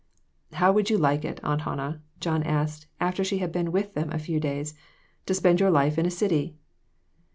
" How would you like it, Aunt Hannah," John asked, after she had been with them a few days, "to spend your life in a city